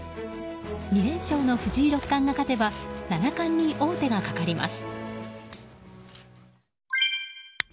２連勝の藤井六冠が勝てば七冠に王手がかかります。